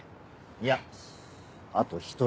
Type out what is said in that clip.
いやあと１人。